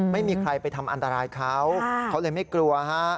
ไม่มีใครไปทำอันตรายเขาเขาเลยไม่กลัวฮะ